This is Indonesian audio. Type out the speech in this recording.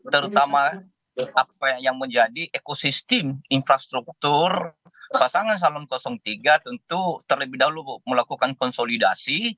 terutama apa yang menjadi ekosistem infrastruktur pasangan calon tiga tentu terlebih dahulu melakukan konsolidasi